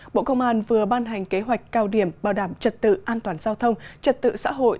bộ công an vừa ban hành kế hoạch cao điểm bảo đảm trật tự an toàn giao thông trật tự xã hội